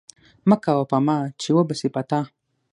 مه کوه په ما، چې وبه سي په تا!